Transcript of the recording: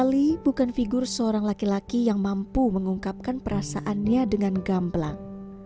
ali bukan figur seorang laki laki yang mampu mengungkapkan perasaannya dengan gamblang